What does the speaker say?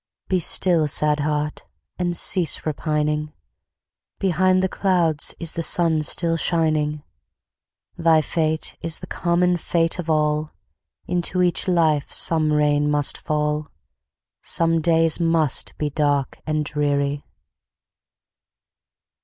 Be still, sad heart! and cease repining; Behind the clouds is the sun still shining; Thy fate is the common fate of all, Into each life some rain must fall, Some days must be dark and dreary.